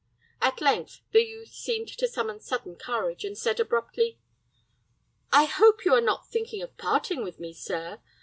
At length the youth seemed to summon sudden courage, and said, abruptly, "I hope you are not thinking of parting with me, sir.